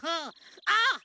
あっ！